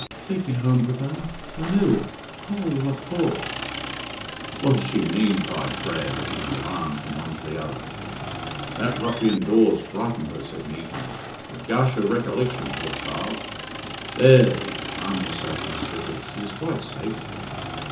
"Take me home, papa; I'm ill. Oh, what thoughts!" "What does she mean?" cried Frere, looking in alarm from one to the other. "That ruffian Dawes frightened her," said Meekin. "A gush of recollection, poor child. There, there, calm yourself, Miss Vickers. He is quite safe."